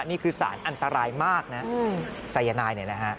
นี่คือสารอันตรายมากนะสายนายเนี่ยนะฮะ